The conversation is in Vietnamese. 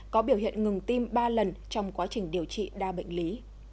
có biểu hiện ngừng tim ba lần trong quá trình điều trị đa bệnh lý